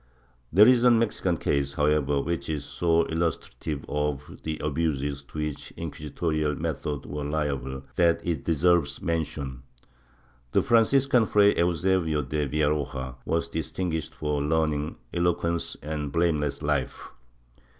There is a Mexican case, however, which is so illustrative of the abuses to which inquisitorial methods were liable, that it deserves mention. The Franciscan, Fray Eusebio de Villaroja, was distinguished for learning, eloquence and blame less life.